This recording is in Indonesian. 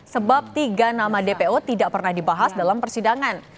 sebab tiga nama dpo tidak pernah dibahas dalam persidangan